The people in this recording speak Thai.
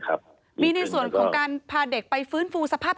ครับมีในส่วนของการพาเด็กไปฟื้นฟูสภาพ